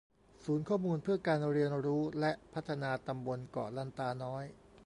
ศูนย์ข้อมูลเพื่อการเรียนรู้และการพัฒนาตำบลเกาะลันตาน้อย